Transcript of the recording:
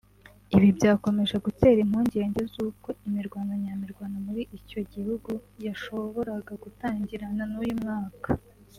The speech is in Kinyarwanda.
Ibi byakomeje gutera impungenge zuko imirwano nya mirwano muri icyo gihugu yashoboraga gutangirana n’uyu mwaka